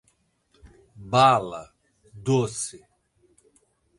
bala, doce